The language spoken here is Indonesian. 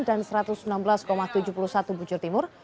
dan satu ratus enam belas tujuh puluh satu bujur timur